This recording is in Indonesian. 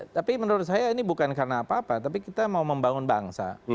tapi menurut saya ini bukan karena apa apa tapi kita mau membangun bangsa